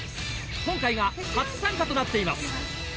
今回が初参加となっています。